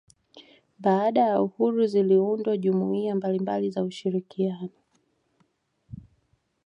Baada ya uhuru ziliundwa jaumuiya mbalimbali za ushirikiano